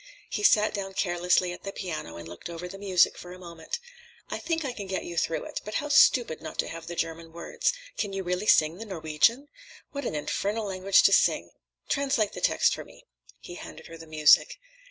He sat down carelessly at the piano and looked over the music for a moment. "I think I can get you through it. But how stupid not to have the German words. Can you really sing the Norwegian? What an infernal language to sing. Translate the text for me." He handed her the music.